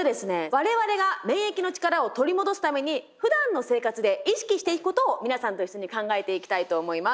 我々が免疫の力を取り戻すためにふだんの生活で意識していくことを皆さんと一緒に考えていきたいと思います。